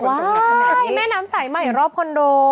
ใช่แม่น้ำสายใหม่รอบคอนโด